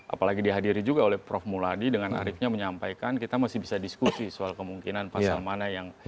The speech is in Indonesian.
apalagi dihadiri juga oleh prof muladi dengan ariefnya menyampaikan kita masih bisa diskusi soal kemungkinan pasal mana yang